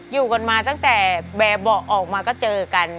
อยู่กันมาตั้งแต่แบบเบาะออกมาก็เจอกัน